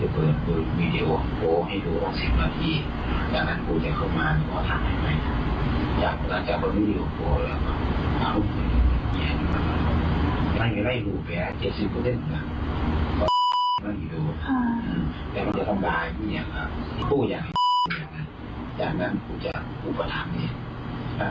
เป็นคลิปเสียงนะ